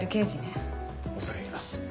恐れ入ります。